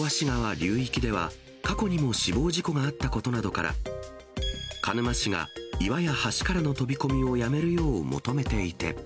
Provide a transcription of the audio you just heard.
流域では、過去にも死亡事故があったことなどから、鹿沼市が岩や橋からの飛び込みをやめるよう求めていて。